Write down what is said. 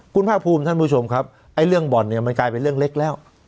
คุณพระภูมิท่านผู้ชมครับเรื่องบอลมันกลายเป็นเรื่องเล็กแล้ว